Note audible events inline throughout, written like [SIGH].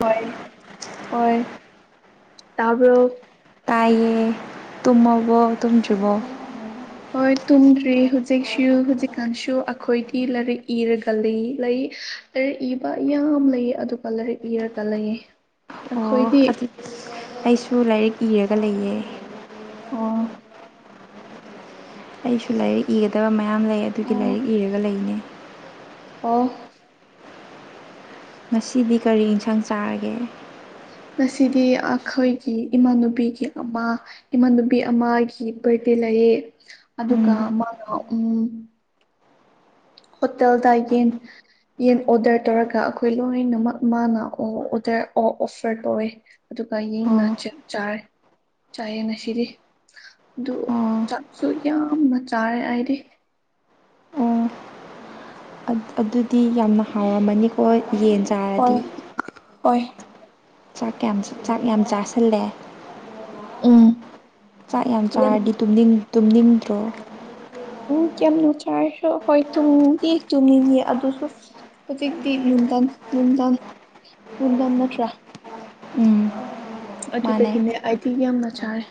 ꯍ ꯍꯣꯏ ꯇꯄ ꯇꯥꯏꯌꯦ ꯇꯨꯝꯃꯕꯣ ꯇꯨꯝꯗ꯭ꯔꯤꯕꯣ ꯍꯣꯏ ꯇꯨꯝꯗ꯭ꯔꯤ ꯍꯧꯖꯤꯛꯁꯨ ꯍꯧꯖꯤꯛꯀꯥꯟꯁꯨ ꯑꯩꯈꯣꯏꯗꯤ ꯂꯥꯏꯔꯤꯛ ꯏꯔꯒ ꯂꯩ ꯂꯩ ꯂꯥꯏꯔꯤꯛ ꯏꯕ ꯌꯥꯝ ꯂꯩꯌꯦ ꯑꯗꯨꯒ ꯂꯥꯏꯔꯤꯛ ꯏꯔꯒ ꯂꯩꯌꯦ ꯑꯣ ꯑꯩꯈꯣꯏꯗꯤ ꯑꯩꯁꯨ ꯂꯥꯏꯔꯤꯛ ꯏꯔꯒ ꯂꯩꯌꯦ ꯑꯣ ꯑꯩꯁꯨ ꯂꯥꯏꯔꯤꯛ ꯏꯒꯗꯕ ꯃꯌꯥꯝ ꯂꯩ ꯑꯗꯨꯒꯤ ꯑꯣ ꯂꯥꯏꯔꯤꯛ ꯏꯔꯒ ꯂꯩꯅꯦ ꯑꯣ ꯉꯁꯤꯗꯤ ꯀꯔꯤ ꯌꯦꯟꯁꯥꯡ ꯆꯥꯔꯒꯦ ꯉꯁꯤꯗꯤ ꯑꯩꯈꯣꯏꯒꯤ ꯏꯃꯥꯟꯅꯨꯕꯤꯒꯤ ꯑꯃ ꯏꯃꯥꯟꯅꯨꯕꯤ ꯑꯃꯒꯤ ꯕꯔꯗꯦ ꯂꯩꯌꯦ ꯑꯗꯨꯒ ꯎꯝ ꯃꯥꯅ ꯎꯝ ꯍꯣꯇꯦꯜꯗ ꯌꯦꯡ ꯌꯦꯟ ꯑꯣꯔꯗꯔ ꯇꯧꯔꯒ ꯑꯩꯈꯣꯏ ꯂꯣꯏꯅꯃꯛ ꯃꯥꯅ ꯑꯣ ꯑꯣꯗꯔ ꯑꯣ ꯑꯣꯐꯔ ꯇꯧꯋꯦ ꯑꯗꯨꯒ ꯌꯦꯅ ꯑꯣ ꯆꯥꯏ ꯆꯥꯏꯌꯦ ꯉꯁꯤꯗꯤ ꯑꯗꯨ ꯑꯣ ꯆꯥꯛꯁꯨ ꯌꯥꯝꯅ ꯆꯥꯔꯦ ꯍꯥꯏꯗꯤ ꯑꯣ ꯑꯗꯨꯗꯤ ꯌꯥꯝꯅ ꯍꯥꯎꯔꯝꯃꯅꯤꯀꯣ ꯌꯦꯟ ꯆꯥꯔꯗꯤ ꯑꯣꯏ ꯆꯥꯛ ꯌꯥꯝ ꯆꯥꯛ ꯌꯥꯝ ꯆꯥꯁꯤꯜꯂꯦ ꯎꯝ ꯆꯥꯛ ꯌꯥꯝ ꯆꯥꯔꯗꯤ ꯇꯨꯝꯅꯤꯡꯗ꯭ꯔꯣ ꯎꯝ ꯀꯌꯥꯝ ꯅꯨꯡ ꯆꯥꯏꯔꯁꯨ ꯍꯣꯏ ꯇꯨꯝꯗꯤꯦ ꯆꯨꯝꯅꯤꯡꯉ ꯑꯗꯨꯁꯨ ꯍꯧꯖꯤꯛꯇꯤ ꯅꯨꯡꯊꯟ ꯅꯨꯡꯊꯟ ꯅꯨꯡꯅꯨꯡꯊꯟ ꯅꯠꯇ꯭ꯔꯥ ꯎꯝ ꯃꯥꯅꯦ ꯑꯗꯨꯗꯒꯤꯅꯦ ꯑꯩꯗꯤ ꯌꯥꯝꯅ ꯆꯥꯔꯦ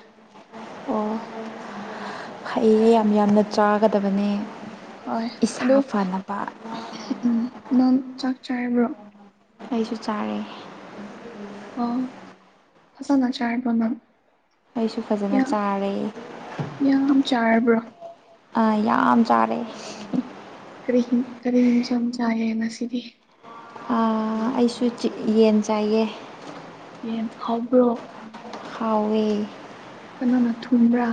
ꯑꯩ ꯌꯥꯝ ꯌꯥꯝꯅ ꯆꯥꯒꯗꯕꯅꯦ ꯍꯣꯏ ꯑꯗꯣ ꯏꯁꯥ ꯐꯅꯕ ꯎꯝ ꯅꯪ ꯆꯥꯛ ꯆꯥꯔꯕ꯭ꯔꯣ ꯑꯩꯁꯨ ꯆꯥꯔꯦ ꯑ ꯐꯁ ꯅ ꯆꯥ ꯅꯜ ꯑꯩꯁꯨ ꯐꯖꯅ ꯆꯥꯔꯦ ꯌꯥꯝ ꯆꯥꯔꯕ꯭ꯔꯣ ꯌꯥꯝ ꯆꯥꯔꯦ ꯀꯔꯤꯍꯤ ꯀꯔꯤꯍꯤꯝ ꯆꯝ ꯆꯌꯦꯦ ꯅ ꯁꯤꯗꯤ ꯑꯩꯁꯨ ꯌꯦꯟ ꯆꯥꯏꯌꯦ ꯑꯦ ꯍꯕ꯭ꯔꯣ ꯍꯥꯎꯋꯦ ꯀꯩꯅꯣꯅ ꯊꯟꯕ꯭ꯔꯥ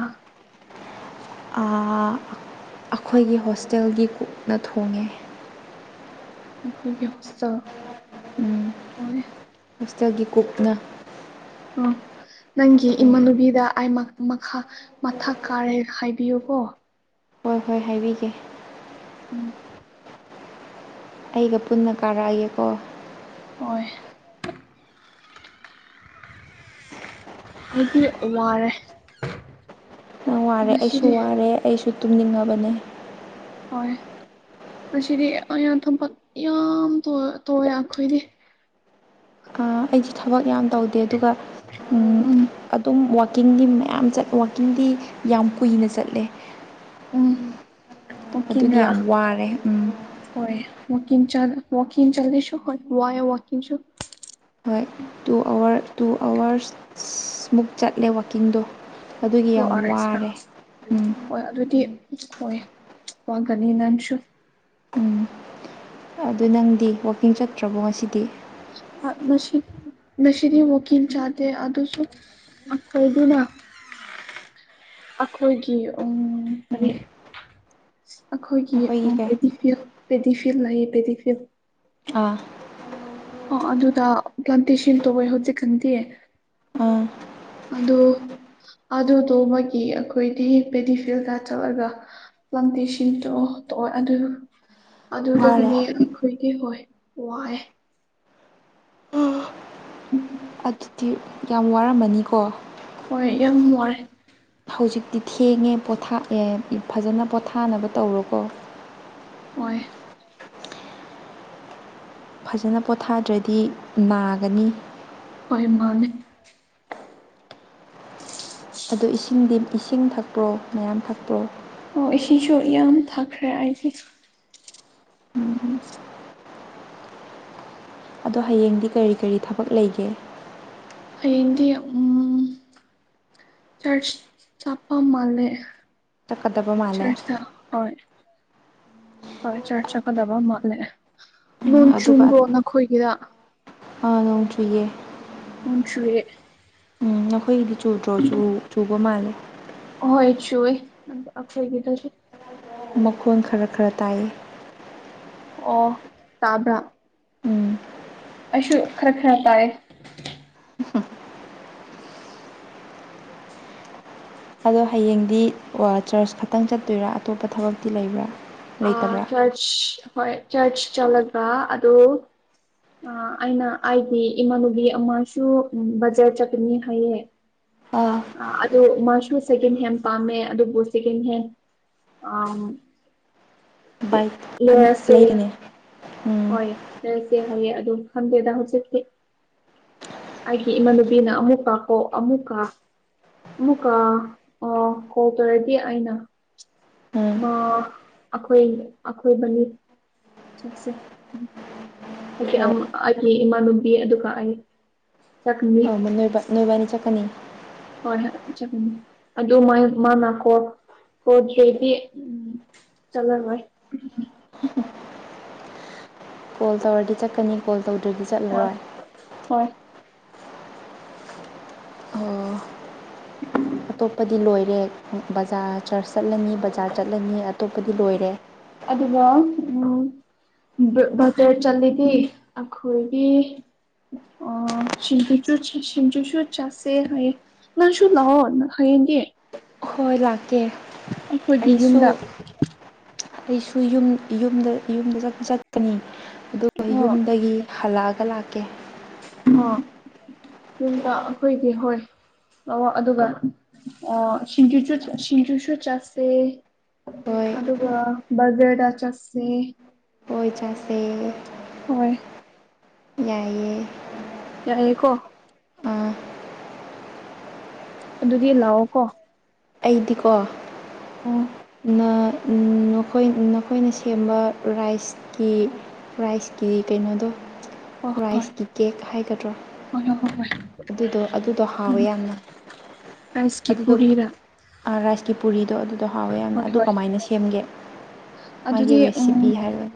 ꯑꯩꯈꯣꯏꯒꯤ ꯍꯣꯁꯇꯦꯜꯒꯤ ꯀꯨꯛꯅ ꯊꯣꯡꯉꯦ ꯑꯩꯈꯣꯏꯒꯦ ꯍꫭꯁꯇꯥꯜ ꯎꯝ ꯑꯣꯏꯣꯏ ꯍꯣꯁꯇꯦꯜꯒꯤ ꯀꯨꯛꯅ ꯎꯝ ꯅꯪꯒꯤ ꯊꯣꯡꯉꯦ ꯏꯃꯥꯟꯅꯨꯕꯤꯗ ꯑꯩ ꯃꯈꯥ ꯃꯊꯛ ꯀꯥꯔꯦ ꯍꯥꯏꯕꯤꯌꯨꯀꯣ ꯍꯣꯏ ꯍꯣꯏ ꯍꯥꯏꯕꯤꯒꯦ ꯎꯝ ꯑꯩꯒ ꯄꯨꯟꯅ ꯀꯥꯔꯛꯑꯒꯦꯀꯣ ꯑꯣꯏ ꯍꯥꯏꯗꯤ ꯋꯥꯔꯦ ꯌꯥꯝ ꯋꯥꯔꯦ ꯑꯩꯁꯨ ꯉꯁꯤꯗꯤ ꯋꯥꯔꯦ ꯑꯩꯁꯨ ꯇꯨꯝꯅꯤꯡꯉꯕꯅꯦ ꯍꫭꯏ ꯃꯁꯤꯗꯤ ꯑꯩꯅ ꯊꯄꯥꯛꯛ ꯌꯥꯝ ꯇꯣꯛꯑꯦ ꯑꯩꯈꯣꯏꯗꯤ ꯑꯩꯗꯤ ꯊꯕꯛ ꯌꯥꯝ ꯇꯧꯗꯦ ꯑꯗꯨꯒ ꯎꯝ ꯑꯗꯨꯝ ꯋꯥꯋꯀꯤꯡꯒꯤ ꯃꯌꯥꯝ ꯌꯥꯝꯠ ꯋꯥꯋꯀꯤꯡꯗꯤ ꯌꯥꯝ ꯀꯨꯏꯅ ꯆꯠꯂꯦ ꯎꯝ ꯑꯗꯨꯒꯤ ꯋꯥꯛꯀꯤꯡꯔꯥ ꯌꯥꯝ ꯋꯥꯔꯦ ꯎꯝ ꯍꯣꯏ ꯋꯥꯀꯤꯡ ꯆ ꯋꯥꯀꯤꯡ ꯆꯗꯤꯁꯨ ꯍꯣꯏ ꯋꯥ ꯋꯥꯀꯤꯁꯨ ꯍꯣꯏ ꯇꯨ ꯑꯋꯥꯔ ꯇꯨ ꯑꯋꯥꯔꯁ ꯃꯨꯛ ꯆꯠꯂꯦ ꯋꯥꯛꯀꯤꯡꯗꯣ ꯑꯗꯨꯒꯤ ꯊ꯭ꯔꯨ ꯑꯥꯔ ꯌꯥꯝ ꯋꯥꯔꯦ ꯎꯝ ꯑꯦꯛꯁꯇ꯭ꯔꯥ ꯑꯗꯨꯗꯤ ꯏꯣꯏ ꯋꯥꯒꯅꯤ ꯅꯟꯁꯨ ꯎꯝ ꯑꯗꯨ ꯅꯪꯗꯤ ꯋꯥꯛꯀꯤꯡ ꯆꯠꯇ꯭ꯔꯕꯣ ꯉꯁꯤꯗꯤ ꯅꯁꯤꯗꯤ ꯋꯥꯀꯤꯝ ꯆꯥꯗ ꯑꯗꯁꯨ ꯃꯈꯣꯏꯗꯨꯅ ꯑꯩꯈꯣꯏꯒꯤ ꯎꯝ ꯀꯔꯤ ꯎꯝ ꯑꯩꯈꯣꯏꯒꯤ ꯅꯈꯣꯏꯒꯤ ꯀꯩ ꯄꯦꯗꯤ ꯄꯦꯗꯤꯐꯤꯜ ꯂꯩꯌꯦ ꯄꯦꯗꯤꯐꯤꯜ ꯑ ꯑꯣ ꯑꯗꯨꯗ ꯄ꯭ꯂꯥꯟꯇꯦꯁꯟ ꯇꯧꯋꯦ ꯍꯧꯖꯤꯛꯀꯥꯟꯗꯤ ꯑꯥ ꯑꯗꯨꯗ ꯑꯗꯨꯗꯣ ꯃꯒꯤ ꯑꯩꯈꯣꯏꯗꯤ ꯄꯦꯗꯤꯐꯤꯜꯗ ꯆꯠꯂꯒ ꯄ꯭ꯂꯥꯟꯇꯦꯁꯟꯗꯣ ꯑꯗꯨ ꯎꯝ ꯑꯗꯨꯗꯒꯤꯅꯦ ꯑꯩꯈꯣꯏꯗꯤ ꯍꯣꯏ ꯋꯥꯑꯦ ꯎꯝ ꯌꯥꯝ ꯋꯥꯔꯝꯃꯅꯤꯀꯣ ꯍꯣꯏ ꯌꯥꯝ ꯋꯥꯏ ꯍꯧꯖꯤꯛꯇꯤ ꯊꯦꯡꯉꯦ ꯄꯣꯊꯥꯛꯑꯦ ꯐꯖꯅ ꯄꯣꯊꯥꯅꯕ ꯇꯧꯔꯣꯀꯣ ꯑꯣꯏ ꯐꯖꯅ ꯄꯣꯊꯥꯗ꯭ꯔꯗꯤ ꯅꯥꯒꯅꯤ ꯑꯣꯏ ꯃꯥꯅꯤ ꯑꯣ ꯏꯁꯤꯡꯗꯤ ꯏꯁꯤꯡ ꯊꯛꯄ꯭ꯔꯣ ꯃꯌꯥꯝ ꯊꯛꯄ꯭ꯔꯣ ꯑꯣ ꯏꯁꯤꯡꯁꯨ ꯌꯥꯝ ꯊꯛꯈ꯭ꯔꯦ ꯑꯩꯁꯦ ꯑꯗꯣ ꯍꯌꯦꯡꯗꯤ ꯀꯔꯤ ꯀꯔꯤ ꯊꯕꯛ ꯂꯩꯒꯦ ꯑꯗꯤ ꯎꯝ ꯆꯔꯆ ꯆꯄ ꯃꯥꯂꯦ ꯆꯠꯀꯗꯕ ꯃꯥꯜꯂꯦ ꯆꯔꯁꯥ ꯍ ꯍꯣꯏ ꯆꯔꯁ ꯆꯠꯀꯗꯕ ꯃꯥꯜꯂꯦ ꯎꯝ ꯅꯣꯡ ꯑꯗꯨꯒ ꯆꯨꯕ꯭ꯔꯣ ꯅꯈꯣꯏꯒꯤꯗ ꯑꯥ ꯅꯣꯡ ꯆꯨꯌꯦ ꯃꯁꯨꯑꯦ ꯅꯈꯣꯏꯒꯤꯗꯤ ꯆꯨꯗ꯭ꯔꯣ ꯆꯨꯕ ꯃꯥꯜꯂꯦ ꯁꯨ ꯑꯁꯣꯏ ꯀꯗꯁꯨ ꯃꯈꯣꯟ ꯈꯔ ꯈꯔ ꯇꯥꯏ ꯑꯣ ꯇꯥꯕ꯭ꯔꯥ ꯎꯝ ꯑꯩꯁꯨ ꯈꯔ ꯈꯔ ꯇꯥꯏ ꯑꯗꯣ ꯍꯌꯦꯡꯗꯤ ꯆꯔꯆ ꯈꯛꯇꯪ ꯆꯠꯇꯣꯏꯔꯥ ꯑꯇꯣꯞꯄ ꯊꯕꯛꯇꯤ ꯂꯩꯕ꯭ꯔꯥ ꯑ ꯂꯩꯇꯕ꯭ꯔꯥ ꯆꯔꯆ ꯍꯣꯏ ꯆꯔꯆ ꯆꯠꯂꯒ ꯑꯗꯨ ꯑ ꯑꯩꯅ ꯑꯩꯗꯤ ꯏꯃꯥꯟꯅꯕꯤ ꯑꯃꯁꯨ ꯕꯖꯥꯔ ꯆꯠꯀꯅꯤ ꯍꯥꯏꯌꯦ ꯑꯥ ꯑꯗꯨ ꯃꯥꯁꯨ ꯁꯦꯀꯦꯟ ꯍꯦꯟ ꯄꯥꯝꯃꯦ ꯑꯗꯨꯕꯨ ꯁꯦꯀꯦꯟ ꯍꯦꯟ ꯑ ꯕꯥꯏ ꯂꯩꯔꯅꯤ ꯍꯣꯏ ꯔꯩꯂꯁꯦ ꯍꯌꯦ ꯑꯗꯨ ꯈꯪꯗꯦꯗ ꯍꯧꯖꯤꯛꯇꯤ ꯑꯩꯒꯤ ꯏꯃꯥꯟꯅꯕꯤꯅ ꯑꯃꯨꯛꯀꯥ ꯀꯣ ꯑꯃꯨꯛꯀ ꯑꯃꯨꯀ ꯑ ꯀꯣ ꯇꯔꯦꯗꯤ ꯑꯩꯅ ꯎꯝ ꯃ ꯑꯈꯣꯏ ꯑꯈꯣꯏ ꯃꯅꯤ ꯆꯁ ꯑꯩꯒꯤ ꯍꯣꯏ ꯑꯩꯒꯤ ꯏꯃꯥꯟꯅꯕꯤ ꯑꯗꯨꯒ ꯑꯩ ꯆꯥꯛꯅꯤ ꯅꯣꯏ ꯅꯣꯏꯕꯅꯤ ꯆꯠꯀꯅꯤ ꯍꯣꯏ ꯍꯣꯏ ꯑꯗꯨ ꯃꯥ ꯃꯥ ꯅꯥꯀꯣ ꯍꯣꯏꯗꯤ ꯎꯝ ꯆꯠꯂꯔꫭꯏ ꯀꯣꯜ ꯇꯧꯔꯗꯤ ꯆꯠꯀꯅꯤ ꯀꯣꯜ ꯇꯧꯗ꯭ꯔꯗꯤ ꯍꯣꯏ ꯆꯠꯂꯔꯣꯏ ꯍꯣꯏ ꯑꯣ [INAUDIBLE] ꯑꯇꯣꯞꯄꯗꯤ ꯂꯣꯏꯔꯦ ꯕꯖꯥꯔ ꯆꯔꯆ ꯆꯠꯂꯅꯤ ꯕꯖꯥꯔ ꯆꯠꯂꯅꯤ ꯑꯇꯣꯞꯄꯗꯤ ꯂꯣꯏꯔꯦ ꯑꯗꯨꯒ ꯎꯝ ꯕꯖꯔ ꯆꯠꯂꯤꯗꯤ ꯑꯩꯈꯣꯏꯒꯤ ꯑꯣ ꯁꯤꯆꯨ ꯆꯨꯔ ꯆ ꯁꯤꯆꯨꯁꯨꯨꯔ ꯆꯥꯁꯦ ꯍꯌꯦ ꯅꯁꯨ ꯂꯥꯛꯑꯣ ꯍꯌꯦ ꯒꯤ ꯍꫭꯏ ꯂꯥꯛꯀꯦ ꯑꯩꯁꯨ ꯌꯨꯝꯗ ꯑꯩꯁꯨ ꯌ ꯌꯨꯝꯗ ꯌꯨꯝꯗ ꯆꯄ ꯆꯠꯀꯅꯤ ꯑꯗꯨꯒ ꯑꯣ ꯌꯨꯝꯗꯒꯤ ꯍꯜꯛꯂꯒ ꯂꯥꯛ ꯑꯣ ꯌꯨꯝꯇ ꯑꯩꯈꯣꯏꯒꯤ ꯍꯣꯏ ꯑꯣ ꯑꯗꯨꯒ ꯁꯤꯡꯖꯨꯁꯨ ꯁꯤꯡꯖꯨꯁꯨ ꯆꯠꯁꯦ ꯍꯣꯏ ꯑꯗꯨ ꯕꯒꯔꯗ ꯆꯁꯦ ꯑꯣꯏ ꯆꯁꯦ ꯍꯣꯏ ꯌꯥꯏꯌꯦ ꯌꯥꯏ ꯍꯦꯀꯣ ꯑꯥ ꯑꯗꯨꯗꯤ ꯂꯥꯛꯑꯣ ꯀꯣ ꯑꯩꯗꯤꯀꯣ ꯅ ꯅꯈꯣꯏ ꯅꯈꯣꯏꯅ ꯁꯦꯝꯕ ꯔꯥꯏꯁꯀꯤ ꯔꯥꯏꯁꯀꯤ ꯀꯩꯅꯣꯗꯣ ꯔꯥꯏꯁꯀꯤ ꯀꯦꯛ ꯍꯥꯏꯒꯗ꯭ꯔꯣ ꯍ ꯑꯗꯨꯗꯣ ꯑꯗꯨꯗꯣ ꯍꯥꯎꯋꯦ ꯌꯥꯝꯅ ꯔꯥꯏꯁꯀꯤ ꯑꯗꯨꯗꯣ ꯄꯨꯔꯤꯔ ꯔꯥꯏꯁꯀꯤ ꯄꯨꯔꯤꯗꯣ ꯑꯗꯨꯗꯣ ꯍꯥꯎꯋꯦ ꯌꯥꯝꯅ ꯍꯣꯏ ꯑꯗꯨ ꯍꯣꯏ ꯀꯃꯥꯏꯅ ꯁꯦꯝꯒꯦ ꯃꯥꯒꯤ ꯑꯗꯨꯗꯤ ꯎꯝ ꯔꯦꯁꯤꯄꯤ ꯍꯥꯏꯔꯣ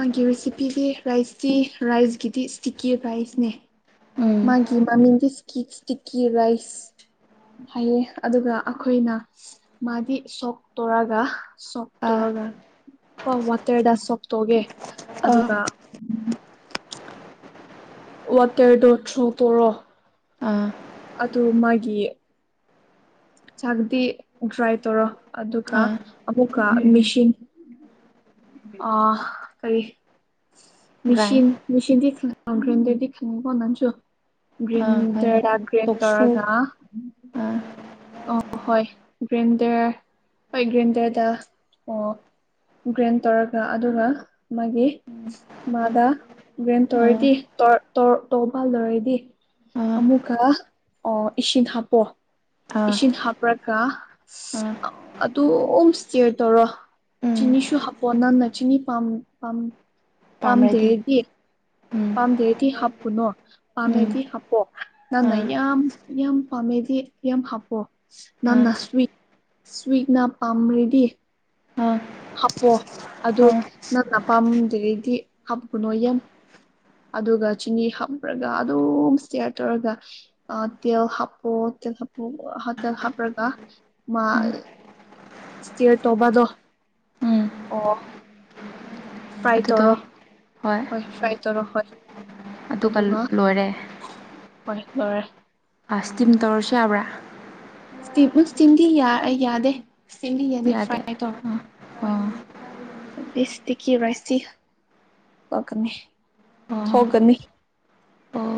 ꯃꯥꯒꯤ ꯔꯤꯁꯤꯄꯤꯗꯤ ꯔꯥꯏꯁꯇꯤ ꯔꯥꯏꯁꯀꯤꯗꯤ ꯏꯁꯇꯤꯛꯀꯤ ꯔꯥꯏꯁꯅꯦ ꯎꯝ ꯃꯥꯒꯤ ꯃꯥꯃꯤꯗꯤꯀꯤ ꯁꯤꯀꯤ ꯔꯥꯏꯁ ꯍꯥꯏꯑꯦ ꯑꯗꯨꯒ ꯑꯩꯈꯣꯏꯅ ꯃꯥꯗꯤ ꯁꯣꯛꯇꯣꯔꯒ ꯁꯣꯛꯇꯣꯔ ꯑꯥ ꯀꯣ ꯋꯥꯇꯔꯗ ꯁꯣꯛꯇꯣꯛꯒꯦ ꯑꯥ ꯑꯗꯨꯒ ꯋꯥꯇꯔ ꯗꯣ ꯊ꯭ꯔꯣ ꯇꯣꯔꯣ ꯑꯥ ꯑꯗꯨ ꯃꯥꯒꯤ ꯆꯥꯛꯗꯤ ꯗ꯭ꯔꯥꯏ ꯇꯧꯔꯣ ꯑꯗꯨꯒ ꯑꯥ ꯑꯃꯨꯛꯀꯥ ꯃꯤꯁꯤ ꯑ ꯀꯔꯤ ꯃ ꯒ꯭ꯔꯥꯏꯟ ꯃ ꯭ꯔꯤꯟꯗꯗꯤ ꯀꯁꯨ ꯭ꯔꯤ ꯑꯥ [UNINTELLIGIBLE] ꯈꯪꯉꯦ ꯗꯔꯠꯗꯥꯟꯗꯦꯟ ꯇꯣꯛꯁꯨ ꯇꯔꯒ ꯑꯥ ꯑ ꯍꯣꯏ ꯖꯦꯟꯗꯔ ꯍꯣꯏ ꯒ꯭ꯔꯦꯟꯗꯔꯗ ꯑꯣ ꯒ꯭ꯔꯦꯟ ꯇꯧꯔꯒ ꯑꯗꯨꯒ ꯃꯥꯒꯤ ꯃꯥꯗ ꯒ꯭ꯔꯦꯟ ꯑꯥ ꯇꯔꯤꯗꯤ ꯑꯣꯇꯣ ꯄꯥꯜꯂꯔꯗꯤ ꯑꯥ ꯑꯃꯨꯛꯀ ꯏꯁꯤꯡ ꯍꯥꯞꯄꯣ ꯑꯥ ꯏꯁꯤꯡ ꯍꯥ ꯍꯥꯞꯄ꯭ꯔꯒ ꯑꯥ ꯑꯗꯨꯝ ꯏꯁꯇꯦꯌꯔ ꯇꯧꯔꯣ ꯎꯝ ꯆꯤꯅꯤꯁꯨ ꯍꯥ ꯄꯣ ꯅꯪ ꯆꯤꯅꯥꯝ ꯄꯥꯝ ꯄꯥꯝꯔꯗꯤ ꯄꯥꯝꯗꯦꯗꯤ ꯎꯝ ꯄꯥꯝꯗꯦꯗꯤ ꯍꯥꯞꯄꯨꯅꯣ ꯎꯝ ꯄꯥꯝꯃꯦꯗꯤ ꯍꯥꯞꯄꯣ ꯅꯪꯅ ꯑꯥ ꯌꯥꯝ ꯌꯥꯝ ꯄꯥꯝꯃꯦꯗꯤ ꯌꯥꯝ ꯍꯥꯞꯄꯣ ꯑꯥ ꯅꯪꯅ ꯁ꯭ꯋꯤꯛ ꯁ꯭ꯋꯤꯛꯅ ꯄꯥꯝꯔꯤꯗꯤ ꯑꯥ ꯍꯥꯞꯄꯣ ꯑꯗꯨ ꯑꯥ ꯅꯪ ꯑꯄꯥꯝꯗ꯭ꯔꯤꯗꯤ ꯍꯥꯞꯀꯨꯅꯨ ꯌꯥꯝ ꯑꯗꯨꯒ ꯆꯤꯅꯤ ꯍꯥꯞꯄ꯭ꯔꯒ ꯑꯗꯨꯝ ꯏꯁꯇꯤꯌꯥꯔ ꯇꯧꯔꯒ ꯇꯦꯜ ꯍꯥꯞꯄꯣ ꯍꯆꯦꯜ ꯍꯥꯄ ꯍ ꯆꯦꯜ ꯍꯥꯄꯔꯒ ꯃꯥ ꯎꯝ ꯏꯁꯇꯤꯌꯔ ꯇꯣꯕꯥꯗꯣ ꯎꯝ ꯑꯣ ꯇ꯭ꯔꯥꯏ ꯑꯗꯨꯗꯣ ꯇꯧꯔꯣ ꯍꯣꯏ ꯇ꯭ꯔꯥꯏ ꯇꯧꯔꯣ ꯍꯣꯏ ꯑꯗꯨꯒ ꯂꯣꯏꯔꯦ ꯂꫭꯏꯔꯦ ꯑꯁꯇꯤꯝ ꯇꯧꯔꯁꯨ ꯌꯥꯕ꯭ꯔꯥ ꯏꯁꯇꯤꯝ ꯏꯁꯇꯤꯝꯗꯤ ꯌꯥ ꯌꯥꯗꯦ ꯏꯁꯇꯤꯝꯗꯤ ꯌꯥꯗꯦ ꯐ꯭ꯔꯥꯏ ꯇꯧꯔꯣ ꯑꯥ ꯍꯣꯏ ꯑꯣ ꯑꯗꯨꯗꯤ ꯏꯁꯇꯛ ꯀꯤꯔꯁꯤ ꯋꯥꯈꯛꯅ‌ꯦ ꯑꯣ ꯊꯣꯛꯒꯅꯤ ꯑꯣ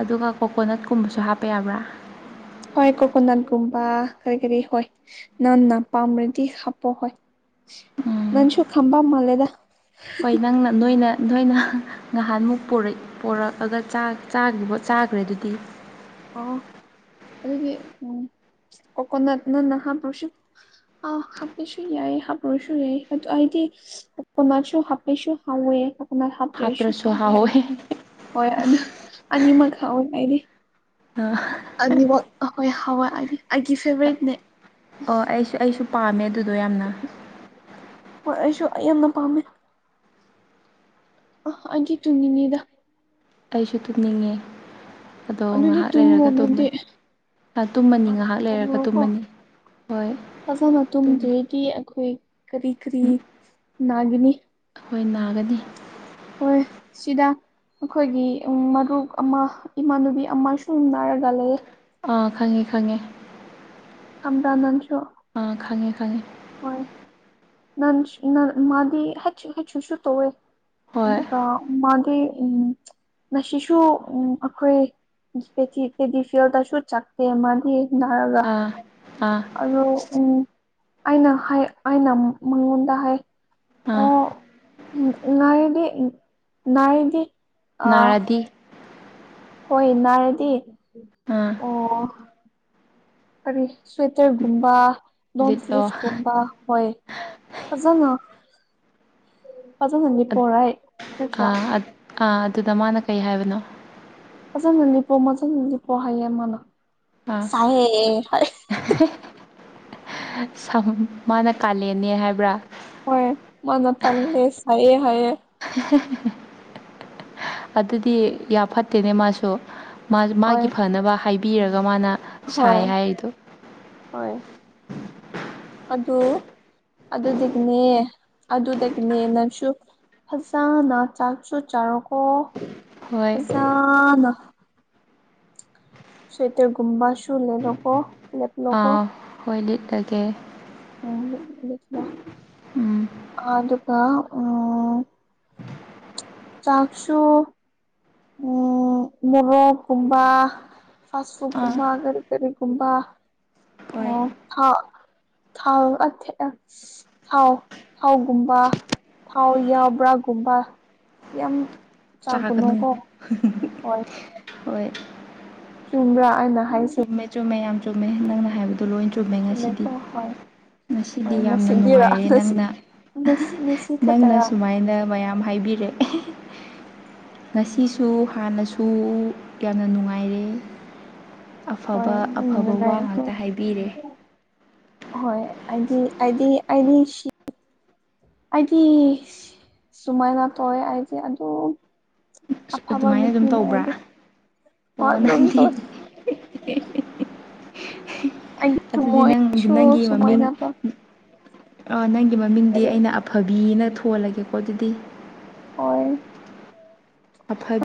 ꯑꯗꯨꯒ ꯀꯣꯀꯣꯅꯠꯀꯨꯝꯕꯁꯨ ꯍꯥꯞꯄ ꯌꯥꯕ꯭ꯔꯥ ꯍꯣꯏ ꯀꯣꯀꯣꯅꯠꯀꯨꯝꯕ ꯀꯔꯤ ꯀꯔꯤ ꯍꯣꯏ ꯅꯪ ꯅ ꯄꯥꯝꯕ꯭ꯔꯗꯤ ꯍꯥꯞꯄꯣ ꯍꯣꯏ ꯅꯟꯁꯨ ꯈꯝꯕ ꯃꯥꯜ ꯂ‌ꯦꯗ ꯍꫭꯏ ꯅꯪꯅ ꯅꯣꯏꯅ ꯅꯣꯏꯅ ꯉꯍꯥꯟꯃꯨꯛ ꯄꫪ‌ꯩ ꯄꯣꯔꯛꯑꯒ ꯆꯥꯛ ꯆꯥꯒꯔꯤꯕꯣ ꯆꯥꯒꯔ ꯑꯗꯨꯗꯤ ꯑꯣ ꯑꯗꯨꯗꯤ ꯎꯝ ꯀꯣꯀꯣꯅꯠ ꯅꯟꯅ ꯍꯞꯇꯔꯁꯨ ꯑ ꯍꯥꯞꯄꯁꯨ ꯌꯥꯏꯌ‌ꯦ ꯍꯥꯞꯄꫪꫭꯏꯁꯨ ꯑꯗꫭ ꯑꯩꯇꯤ ꯄꯨꯃꯥꯁꯨ ꯍꯥꯞꯄꯁꯨ ꯍꯥꯎꯋꯦ ꯄꯨꯃꯥꯏ ꯍꯥꯞꯇꯔꯁꯨ ꯍꯥꯞꯇ꯭ꯔꯁꯨ ꯍꯥꯞꯄꯅꯤ ꯍꯥꯏꯗ‌ꯦ ꯍꯥꯎꯋꯦ ꯍꯣꯏ ꯑꯗꯨ ꯑꯅꯤꯃꯛ ꯍꯥꯎꯋ‌ꯦ ꯑꯩꯗꯤ ꯑ ꯅꯤꯋꯛ ꯑꯈꫭꯏ ꯍꯋꯥꯗꯤ ꯑꯩꯒꯤ ꯐꯦꯔꯦꯠꯅꯦ ꯑꯣ ꯑꯩꯁꯨ ꯑꯩꯁꯨ ꯄꯥꯝꯃꯦ ꯑꯗꯨꯗꯣ ꯌꯥꯝꯅ ꯍꯣꯏ ꯑꯩꯁꯨ ꯌꯥꯝꯅ ꯄꯥꯝꯃꯦ ꯑꫭ ꯑꯩꯗꯤ ꯇꯨꯝꯅꯤꯡꯉ‌ꯦꯗ ꯑꯩꯁꯨ ꯇꯨꯝꯅꯤꯡꯉꯦ ꯑꯗꯣ ꯑꯗꯨꯗꯤ ꯉꯥꯏꯍꯥꯛ ꯇꯨꯝꯃꯣ ꯂꯩꯔꯒ ꯅꯪꯗꯤ ꯇꯨꯝꯃꯅꯤ ꯇꯨꯝꯃꯅꯤ ꯍꯣꯏ ꯉꯥꯏꯍꯥꯛ ꯂꯩꯔꯒ ꯇꯨꯝꯃꯨꯔꯣꯀꯣ ꯇꯨꯝꯃꯅꯤ ꯍꯣꯏ ꯐꯖꯅ ꯇꯨꯝꯗꫪ‌ꯦꯗꯤ ꯑꯩꯈꯣꯏ ꯀꯔꯤ ꯀꯔꯤ ꯅꯥꯒꯅꯤ ꯑꯩꯈꯣꯏ ꯅꯥꯒꯅꯤ ꯁꯤꯗꯥ ꯑꯩꯈꯣꯏꯒꯤ ꯃꯔꯨꯞ ꯑꯃ ꯏꯃꯥꯟꯅꯕꯤ ꯑꯃ ꯁꯨꯝ ꯅꯥꯔꯒ ꯂꯩꯌ‌ꯦ ꯑꯥ ꯈꯪꯉꯦ ꯈꯪꯉꯦ ꯈꯪꯕ꯭ꯔ ꯅꯪꯁꯨ ꯑꯥ ꯈꯪꯉꯦ ꯈꯪꯉꯦ ꯍꯣꯏ ꯅꯟꯁ ꯅꯔ ꯃꯥꯗꯤ ꯍꯥꯊꯤ ꯍꯥꯊꯤ ꯁꯨ ꯇꯧꯋꯦ ꯍꯣꯏ ꯑꯗꯨꯒ ꯃꯥꯒꯤ ꯎꯝ ꯉꯥꯁꯤꯁꯨ ꯑꯩꯈꯣꯏ ꯄ‌ꯦꯇꯤ ꯄꯦꯗꯤ ꯐꯦꯜꯗꯁꯨ ꯆꯠꯇꯦ ꯃꯥꯗꯤ ꯅꯥꯔꯒ ꯑꯥ ꯑꯥ ꯑꯗꯣ ꯎꯝ ꯑꯩꯅ ꯍꯥꯏ ꯑꯩꯅ ꯃꯉꯣꯟꯗ ꯍꯥꯏ ꯑꯥ ꯎꯝ ꯅꯏꯗꯤ ꯎꯝ ꯅꯏꯗꯤ ꯅꯔꯗꯤ ꯍꯣꯏ ꯅꯥꯔꯗꯤ ꯑꯥ ꯑꯣ ꯀꯔꯤ ꯁ꯭ꯋꯦꯇꯔꯒꯨꯝꯕꯥ ꯂꫭꯛ ꯂꯤꯠꯂꯣ ꯇꯤꯁꯒꯨꯝꯕꯥ ꯍꫭꯏ ꯄꯖꯅ ꯄꯖꯅꯅꯤ ꯄꯣꯔꯥꯏ ꯥ ꯑ ꯑ ꯑꯗꯨꯗ ꯃꯥꯅ ꯀꯩ ꯍꯥꯏꯕꯅꯣ ꯐꯥꯖꯅ ꯂꯤꯄꯣ ꯃꯖꯅ ꯂꯤꯄꯣ ꯍꯥꯏꯌꯦ ꯃꯥꯅ ꯁꯥꯏꯍ‌ꯦ ꯍꯥ ꯑꯁ ꯁꯍꯝ ꯃꯥꯅ ꯀꯥꯂꯦꯟꯅꯦ ꯍꯥꯏꯕ꯭ꯔꯥ ꯃꫭꯏ ꯇꯜꯂ‌ꯦ ꯁꯥꯏꯌ‌ꯦ ꯍꯥꯏꯌꯦ ꯑꯗꯨꯗꯤ ꯌꯥꯝ ꯐꯠꯇꯦꯅꯦ ꯃꯥꯁꯨ ꯃꯥꯖꯨ ꯃꯥꯒꯤ ꯐꯅꯕ ꯍꯥꯏꯕꯤꯔꯒ ꯃꯥꯅ ꯁꯥꯏ ꯍꫭꯏ ꯍꯥꯏꯔꯤꯗꯣ ꯍꫭꯏ [INAUDIBLE] ꯑꯗꯨ ꯑꯗꯨꯗꯒꯤꯅꯦ ꯑꯗꯨꯗꯒꯤꯅꯦ ꯅꯪꯁꯨ ꯐꯖꯅ ꯆꯥꯛꯁꯨ ꯆꯥꯔꯣꯀꯣ ꯍꯣꯏ ꯐꯖꯅ ꯁꯇꯒꯨꯝꯕꯥ ꯁ ꯂꯩꯅꯀꯣ ꯍ ꯂꯤ ꯂꯒꯦ ꯎꯝꯂ ꯎꯝ ꯑꯗꯨꯀ ꯎ ꯆꯥꯛꯁꯨ ꯎ ꯃꯣꯔꯣꯛꯀꯨꯝꯕ ꯐꯨ ꯑꯥ ꯀꯨꯝꯕ ꯀꯔꯤ ꯀꯔꯤꯒꯨꯝꯕ ꯍꯣꯏ ꯑꯣ ꯍ ꯊꯥꯎ ꯊꯥꯎ ꯊꯥꯎꯒꯨꯝꯕ ꯊꯥꯎ ꯌꯥꯎꯕ꯭ꯔꯥꯒꯨꯝꯕ ꯌꯥꯝ ꯆꯥꯒꯅꯨ ꯆꯥꯒꯨꯅꯨꯀꯣ ꯍꯣꯏ ꯍꯣꯏ ꯆꯨꯝꯕ꯭ꯔꯥ ꯍꯥꯏꯅ ꯆꯨꯝꯃꯦ ꯆꯨꯝꯃꯦ ꯌꯥꯝ ꯆꯨꯝꯃꯦ ꯅꯪꯅ ꯍꯥꯏꯕꯗꯨꯣ ꯂꯣꯏ ꯆꯨꯝꯃꯦ ꯉꯁꯤꯗꯤ ꯆꯨꯝꯃꯦꯀꯣ ꯍꯣꯏ ꯉꯁꯤꯗꯤ ꯍꯣꯏ ꯌꯥꯝꯅ ꯉꯁꯤꯒꯤꯔꯥ ꯅꯨꯡꯉꯥꯏꯔꯦ ꯉꯁꯤ ꯅꯪꯅ ꯉꯁꯤ ꯉꯁꯤ ꯅꯪꯅ ꯈꯛꯇꯔꯥ ꯁꯨꯃꯥꯏꯅ ꯃꯌꯥꯝ ꯍꯥꯏꯕꯤꯔꯛꯑꯦ ꯉꯁꯤꯁꯨ ꯍꯥꯟꯅꯁꯨ ꯌꯥꯝꯅ ꯅꯨꯡꯉꯥꯏꯔꯦ ꯍꯣꯏ ꯑꯐꯕ ꯑꯐꯕ ꯋꯥ ꯅꯨꯡꯉꯥꯏꯔꯤꯕꯣ ꯉꯥꯛꯇ ꯍꯥꯏꯕꯤꯔꯦ ꯍꯣꯏ ꯑꯗꯤ ꯑꯗꯤ ꯑꯗꯤ ꯑꯩꯗꯤ ꯁꯨꯃꯥꯏꯅ ꯇꯧꯑꯦ ꯑꯩꯗꯤ ꯑꯗꯨ ꯑꯗꯨꯃꯥꯏꯅ ꯑꯗꯨꯝ ꯇꯧꯕ꯭ꯔꯥ ꯍꯣꯏ ꯑꯣ ꯑꯗꯨꯝ ꯅꯗꯤ ꯇꯧ ꯑꯩꯒꯤ ꯑꯗꯨꯗꯤ ꯅꯪ ꯊꯃꯣꯏꯁꯨ ꯅꯪꯒꯤ ꯃꯃꯤꯡ ꯁꯨꯃꯥꯏꯅ ꯇꯧ ꯑ ꯅꯪꯒꯤ ꯃꯃꯤꯡꯗꯤ ꯑꯩꯅ ꯑꯐꯕꯤꯅ ꯊꯣꯜꯂꯒꯦꯀꯣ ꯑꯗꯨꯗꯤ ꯍꯣꯏ ꯑꯐꯕꯤ